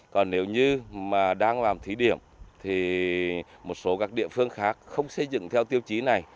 còn nếu như mà đang làm thí điểm thì một số các địa phương khác không xây dựng theo tiêu chí này